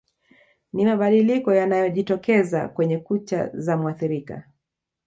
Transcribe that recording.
Ni mabadiliko yanayojitokeza kwenye kucha za muathirika